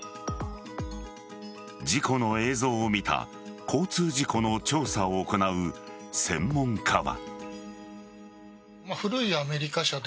事故の映像を見た交通事故の調査を行う専門家は。